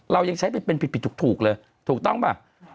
เรายังใช้เป็นผิดถูกเลยถูกต้องป่ะ